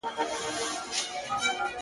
• بس تیندکونه خورمه -